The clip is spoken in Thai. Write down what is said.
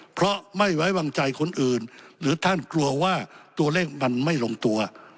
เพราะไม่ไว้วางใจคนอื่นหรือท่านกลัวว่าตัวเลขมันไม่ลงตัว